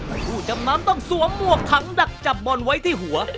ผู้จำนำต้องสวมหมวกขังดักจับบอลไว้ที่หัว